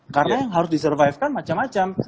karena yang harus disurvive kan macam macam